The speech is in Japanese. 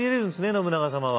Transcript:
信長様は。